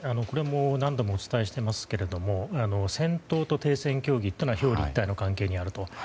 これも何度もお伝えしていますが戦闘と停戦協議というのは表裏一体の関係にあると。